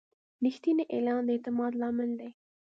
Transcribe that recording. رښتینی اعلان د اعتماد لامل دی.